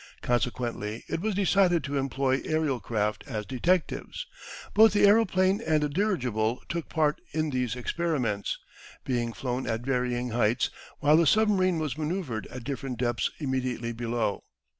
Consequently, it was decided to employ aerial craft as detectives. Both the aeroplane and the dirigible took part in these experiments, being flown at varying heights, while the submarine was maneouvred at different depths immediately below.